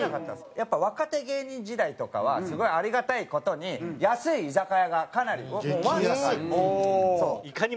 やっぱ若手芸人時代とかはすごいありがたい事に安い居酒屋がかなりもうわんさかあります。